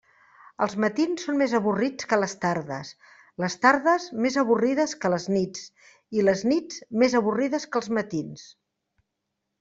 Els matins són més avorrits que les tardes, les tardes més avorrides que les nits i les nits més avorrides que els matins.